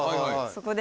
そこで。